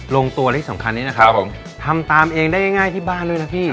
ลงตัวและที่สำคัญนี้นะครับผมทำตามเองได้ง่ายที่บ้านด้วยนะพี่